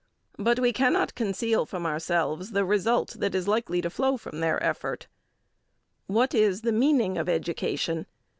But we cannot conceal from ourselves the result that is likely to flow from their effort. What is the meaning of education?